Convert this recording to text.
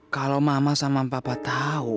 kalau mama sama papa tahu